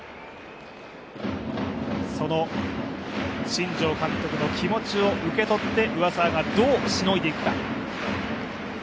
新庄監督の気持ちを受け取って、上沢がどうしのいでいくか。